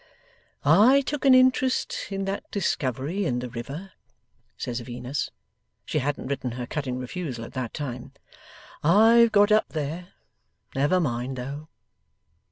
'I took an interest in that discovery in the river,' says Venus. '(She hadn't written her cutting refusal at that time.) I've got up there never mind, though.